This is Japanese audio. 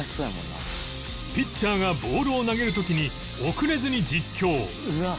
ピッチャーがボールを投げる時に遅れずに実況